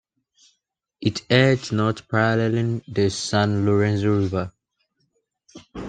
It heads north, paralleling the San Lorenzo River.